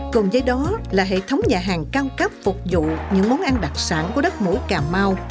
cùng với đó là hệ thống nhà hàng cao cấp phục vụ những món ăn đặc sản của đất mũi cà mau